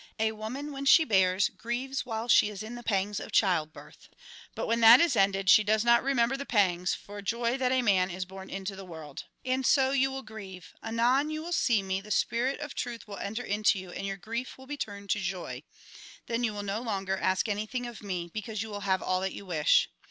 A woman, when she bears. Jn. xvi. 8. THE FAREWELL DISCOURSE 143 Jn xvi. 22. 27. xvii. 1, grieves while she is in the pangs of childbirth ; but when that is ended, she does not remember the pangs, for joy that a man is born into the world. And so you will grieve ; anon you will see me, the spirit of truth will enter into you, and your grief will be turned into joy. Then you will no longer ask anything of me, because you will have all that you wish.